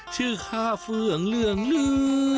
ชื่อขาเฟื่องเลืองรือ